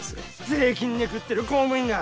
税金で食ってる公務員が。